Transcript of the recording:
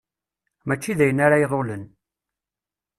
Mačči d ayen ara iḍulen.